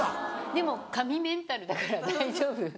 でも神メンタルだから大丈夫。